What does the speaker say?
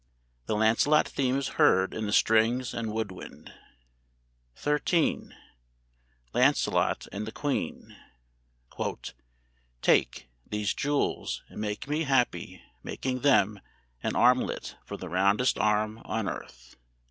[The Lancelot theme is heard in the strings and wood wind.] XIII. "LANCELOT AND THE QUEEN." ("Take ... These jewels, and make me happy, making them An armlet for the roundest arm on earth.")